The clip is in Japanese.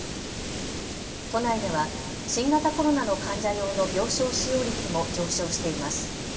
都内では新型コロナの患者用の病床使用率も上昇しています。